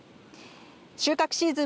収穫シーズン